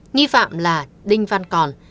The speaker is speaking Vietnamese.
nhi phạm là đinh văn còn